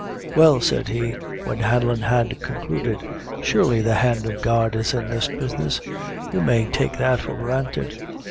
"Well," said he, when Hanlon had concluded, "surely the hand of God is in this business; you may take that for granted."